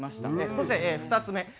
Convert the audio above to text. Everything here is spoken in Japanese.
そして２つ目。